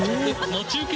待ち受け。